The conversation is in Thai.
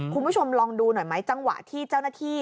คุณผู้ชมลองดูหน่อยไหมจังหวะที่เจ้าหน้าที่